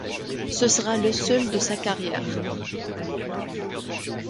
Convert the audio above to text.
Ce sera le seul de sa carrière.